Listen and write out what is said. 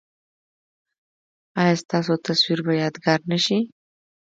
ایا ستاسو تصویر به یادګار نه شي؟